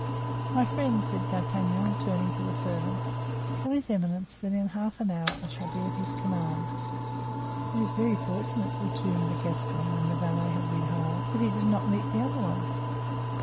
"My friend," said D'Artagnan, turning to the servant, "tell his eminence that in half an hour I shall be at his command." "It is very fortunate," resumed the Gascon, when the valet had retired, "that he did not meet the other one."